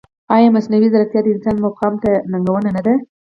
ایا مصنوعي ځیرکتیا د انسان مقام ته ننګونه نه ده؟